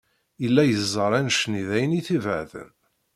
Yella yeẓẓar annect-nni d ayen i t-ibeɛden.